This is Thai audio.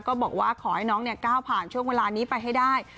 ก็บอกว่าขอให้น้องก้าวผ่านช่วงเวลานี้ไปให้ได้